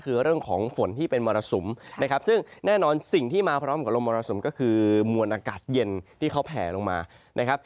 คือเรื่องของฝนที่เป็นมรสุมนะครับซึ่งแน่นอนสิ่งที่มาพร้อมกับลมมรสุมก็คือมวลอากาศเย็นที่เขาแผ่ลงมานะครับ